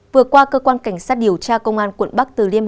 vừa qua cơ quan cảnh sát điều tra công an quận bắc từ liên bắc